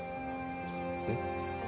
えっ？